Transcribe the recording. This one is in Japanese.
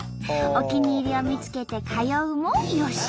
お気に入りを見つけて通うもよし。